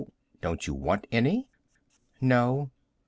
Don't you want any?" "No."